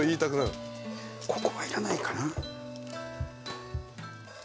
ここはいらないかな。